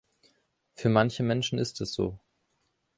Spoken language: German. Für manche Menschen ist es so.